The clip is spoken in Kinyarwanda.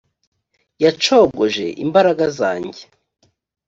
yacogoje imbaraga zanjye